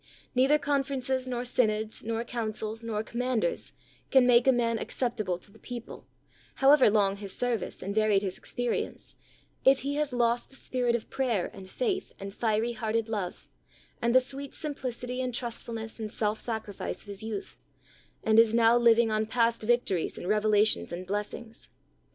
Neither conferences, nor synods, nor coun cils, nor commanders, can make a man acceptable to the people, however long his service and varied his experience, if he has lost the spirit of prayer and faith and fiery hearted love, and the sweet simplicity and trustfulness and self sacrifice of his youth, and is now living on past victories and revelations and blessings.